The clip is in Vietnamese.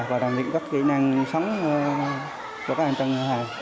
và làm những kỹ năng sống cho các em trận hà